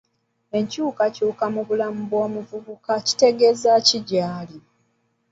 Enkyukakyuka mu bulamu bw'omuvubuka kitegeza ki gy'ali?